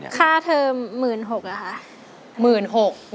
ค่าเทอม๑๖๐๐๐บาทค่ะ